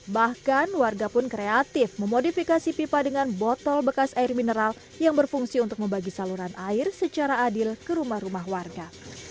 bahkan warga pun kreatif memodifikasi pipa dengan botol bekas air mineral yang berfungsi untuk membagi saluran air secara adil ke rumah rumah warga